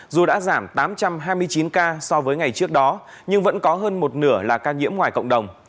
dù đã giảm tám trăm hai mươi chín ca so với ngày trước đó nhưng vẫn có hơn một nửa là ca nhiễm ngoài cộng đồng